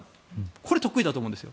これ、得意だと思うんですよ。